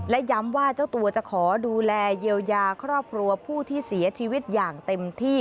และย้ำว่าเจ้าตัวจะขอดูแลเยียวยาครอบครัวผู้ที่เสียชีวิตอย่างเต็มที่